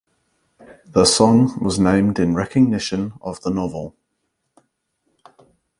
The song was named in recognition of the novel.